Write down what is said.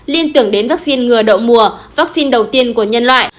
liên tưởng đến vaccine ngừa đậu mùa vaccine đầu tiên của nhân loại